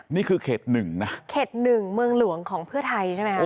นี่คือเขตหนึ่งนะเขตหนึ่งเมืองหลวงของเพื่อไทยใช่ไหมคะ